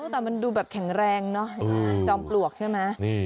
แต่มันดูแบบแข็งแรงเนอะจอมปลวกใช่ไหม